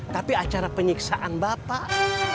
tapi acara penyiksaan bapak